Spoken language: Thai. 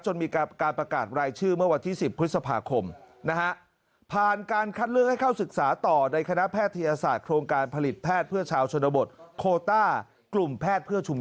มีการประกาศรายชื่อเมื่อวันที่๑๐พฤษภาคมนะฮะ